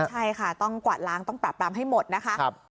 ใช่ค่ะต้องกวาดล้างต้องปราบปรามให้หมดนะคะ